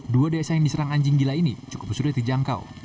dua desa yang diserang anjing gila ini cukup sulit dijangkau